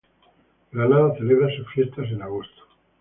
Granada celebra sus fiestas en agosto.